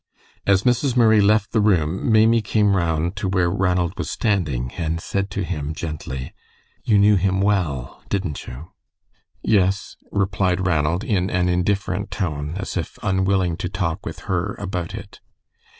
As Mrs. Murray left the room, Maimie came around to where Ranald was standing and said to him, gently, "You knew him well, didn't you?" "Yes," replied Ranald, in an indifferent tone, as if unwilling to talk with her about it.